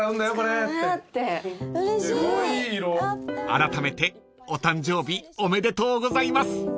［あらためてお誕生日おめでとうございます］